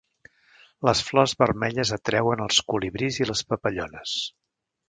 Les flors vermelles atreuen els colibrís i les papallones.